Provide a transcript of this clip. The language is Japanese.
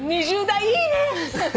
２０代いいね。